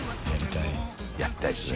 飯尾）やりたいですね。